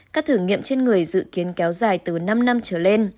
các thử nghiệm trên người dự kiến kéo dài từ năm năm trở lên